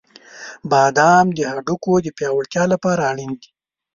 • بادام د هډوکو د پیاوړتیا لپاره اړین دي.